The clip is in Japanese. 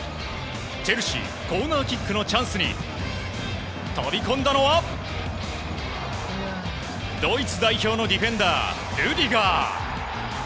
チェルシーコーナーキックのチャンスに飛び込んだのはドイツ代表のディフェンダーリュディガー。